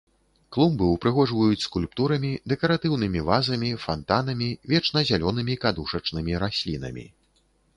Клумбы ўпрыгожваюць скульптурамі, дэкаратыўнымі вазамі, фантанамі, вечназялёнымі кадушачнымі раслінамі.